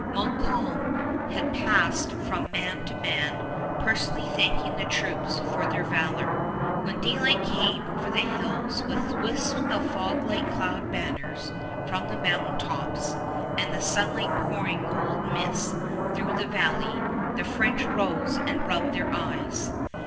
Montcalm had passed from man to man, personally thanking the troops for their valor. When daylight came over the hills with wisps of fog like cloud banners from the mountain tops, and the sunlight pouring gold mist through the valley, the French rose and rubbed their eyes.